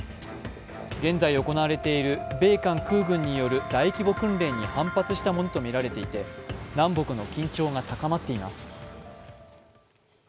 現在行われている米艦空軍による大規模訓練に反発したものとみられていて南北の緊張が高まっています。